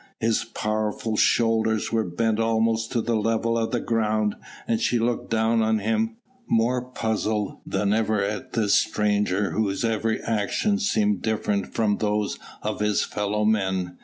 His powerful shoulders were bent almost to the level of the ground, and she looked down on him, more puzzled than ever at this stranger whose every action seemed different from those of his fellow men.